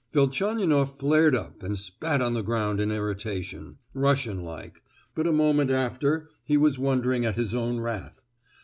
Velchaninoff flared up and spat on the ground in irritation—Russian like, but a moment after he was wondering at his own wrath.